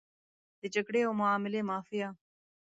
د جګړې او معاملې مافیا.